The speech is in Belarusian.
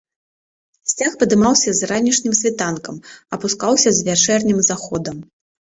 Сцяг падымаўся з ранішнім світанкам, апускаўся з вячэрнім заходам.